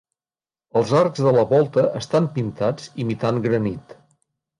Els arcs de la volta estan pintats imitant granit.